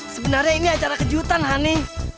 sebenarnya ini acara kejutan hani